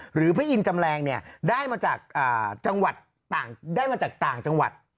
พระอินทร์จำแรงเนี่ยได้มาจากจังหวัดต่างได้มาจากต่างจังหวัด